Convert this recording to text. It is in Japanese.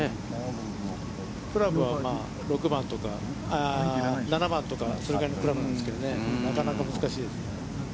クラブは６番とか７番とかそれぐらいのクラブなんですけどね、なかなか難しいです。